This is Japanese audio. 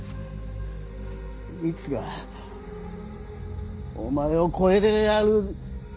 いつかお前を超えてやる。